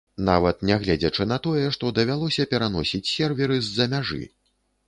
Нават нягледзячы на тое, што давялося пераносіць серверы з-за мяжы.